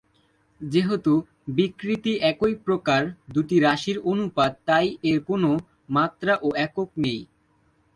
যেহেতু বিকৃতি একই প্রকার দুটি রাশির অনুপাত তাই এর কোন মাত্রা ও একক নেই।